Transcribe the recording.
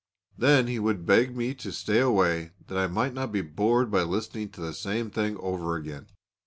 Then he would beg me to stay away that I might not be bored by listening to the same thing over again.